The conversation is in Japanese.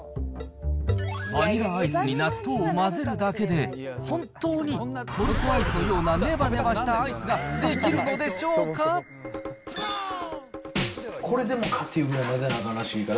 バニラアイスに納豆を混ぜるだけで、本当にトルコアイスのようなねばねばしたアイスができるのでしょこれでもかっていうぐらい混ぜなあかんらしいから。